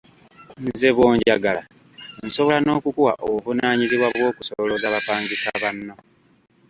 Nze bw'onjagala nsobola n'okukuwa obuvunaanyizibwa bw'okusolooza bapangisa banno.